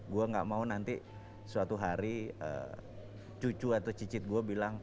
gue gak mau nanti suatu hari cucu atau cicit gue bilang